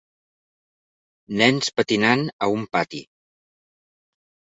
Nens patinant a un pati.